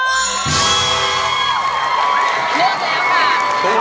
ปัปวัน